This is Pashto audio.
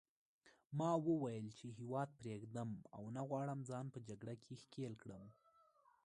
ما وویل چې هیواد پرېږدم او نه غواړم ځان په جګړه کې ښکېل کړم.